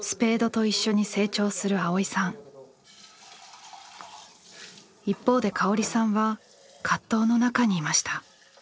一方で香織さんは葛藤の中にいました。